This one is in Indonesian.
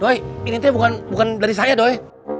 doi ini teh bukan dari saya doi